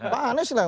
pak anies lah